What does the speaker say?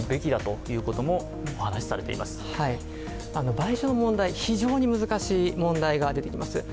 賠償の問題、非常に難しい問題が出てきます。